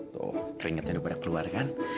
tuh keringatnya udah pada keluar kan